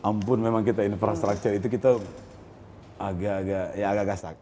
ampun memang kita infrastructure itu kita agak agak ya agak kasar